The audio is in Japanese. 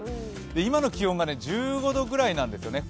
今の気温が１５度ぐらいなんですよね。